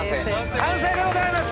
完成でございます！